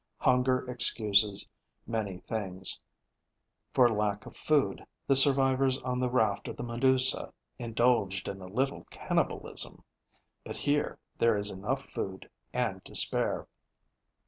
Hunger excuses many things; for lack of food, the survivors on the raft of the Medusa indulged in a little cannibalism; but here there is enough food and to spare.